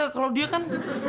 kalau dia kan